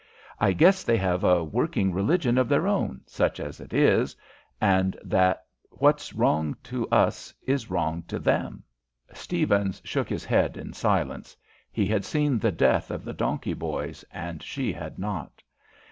"I guess they have a working religion of their own, such as it is, and that what's wrong to us is wrong to them." Stephens shook his head in silence. He had seen the death of the donkey boys, and she had not.